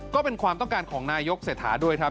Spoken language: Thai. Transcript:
ก็เป็นความต้องการของนายกเศรษฐาด้วยครับ